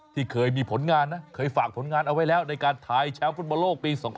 ที่เคยมีผลงานนะเคยฝากผลงานเอาไว้แล้วในการทายแชมป์ฟุตบอลโลกปี๒๐